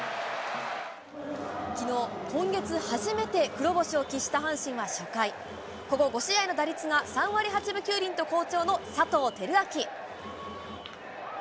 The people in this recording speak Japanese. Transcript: きのう、今月初めて黒星を喫した阪神は初回、ここ５試合の打率が３割８分９厘と好調の佐藤輝明。